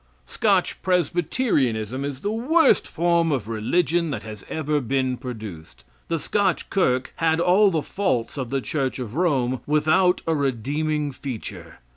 Scotch Presbyterianism is the worst form of religion that has ever been produced. The Scotch Kirk had all the faults of the Church of Rome, without a redeeming feature.